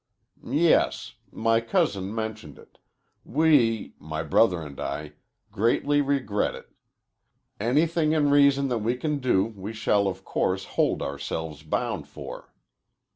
"Yes. My cousin mentioned it. We my brother and I greatly regret it. Anything in reason that we can do we shall, of course, hold ourselves bound for."